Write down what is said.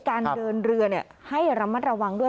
การเดินเรือให้ระมัดระวังด้วย